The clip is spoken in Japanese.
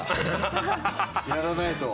やらないと。